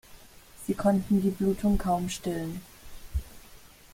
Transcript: Sie konnten die Blutung kaum stillen.